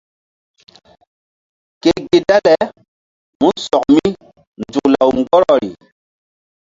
Ke gi dale músɔk mi nzuk law mgbɔrɔri.